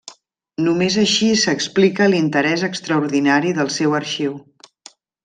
Només així s’explica l’interés extraordinari del seu arxiu.